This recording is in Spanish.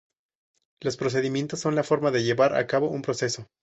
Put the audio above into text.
Los Procedimientos son la forma de llevar a cabo un proceso.